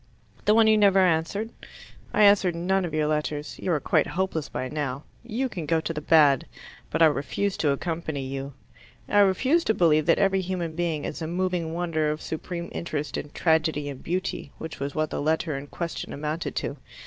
"The one you never answered?" "I answer none of your letters. You are quite hopeless by now. You can go to the bad. But I refuse to accompany you. I refuse to believe that every human being is a moving wonder of supreme interest and tragedy and beauty which was what the letter in question amounted to.